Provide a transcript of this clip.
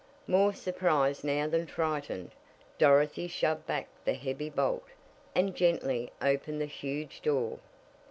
More surprised now than frightened, Dorothy shoved back the heavy bolt and gently opened the huge door.